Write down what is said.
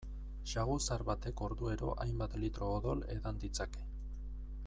Saguzar batek orduero hainbat litro odol edan ditzake.